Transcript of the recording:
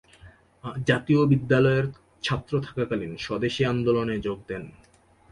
জাতীয় বিদ্যালয়ের ছাত্র থাকাকালীন স্বদেশী আন্দোলনে যোগ দেন।